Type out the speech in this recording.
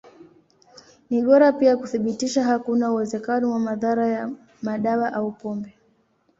Ni bora pia kuthibitisha hakuna uwezekano wa madhara ya madawa au pombe.